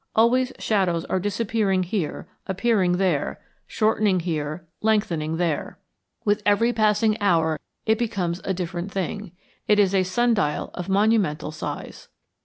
Always shadows are disappearing here, appearing there; shortening here, lengthening there. With every passing hour it becomes a different thing. It is a sun dial of monumental size.